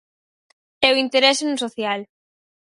E o interese no social.